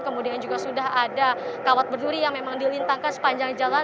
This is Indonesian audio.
kemudian juga sudah ada kawat berduri yang memang dilintangkan sepanjang jalan